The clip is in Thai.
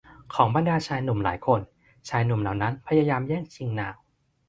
ของบรรดาชายหนุ่มหลายคนชายหนุ่มเหล่านั้นพยายามแย่งชิงนาง